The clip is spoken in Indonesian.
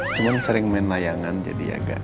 cuman sering main layangan jadi agak